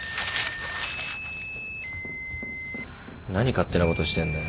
何勝手なことしてんだよ。